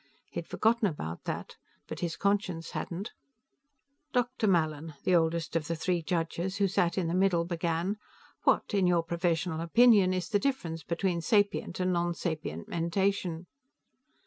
He had forgotten about that, but his conscience hadn't. "Dr. Mallin," the oldest of the three judges, who sat in the middle, began, "what, in your professional opinion, is the difference between sapient and nonsapient mentation?"